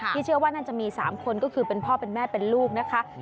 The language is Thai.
เชื่อว่าน่าจะมี๓คนก็คือเป็นพ่อเป็นแม่เป็นลูกนะคะ